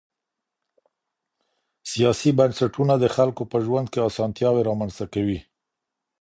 سياسي بنسټونه د خلګو په ژوند کي اسانتياوې رامنځته کوي.